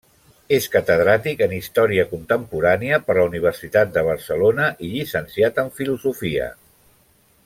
És catedràtic en història contemporània per la Universitat de Barcelona i llicenciat en filosofia.